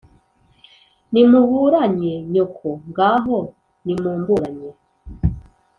Nimuburanye nyoko! Ngaho nimumuburanye,